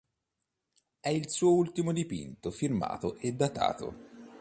È il suo ultimo dipinto firmato e datato.